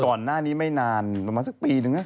ก่อนหน้านี้ไม่นานประมาณสักปีนึงนะ